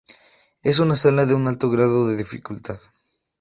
Es una salsa de un alto grado de dificultad.